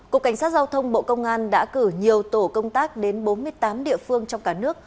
cục cảnh sát giao thông bộ công an đã cử nhiều tổ công tác đến bốn mươi tám địa phương trong cả nước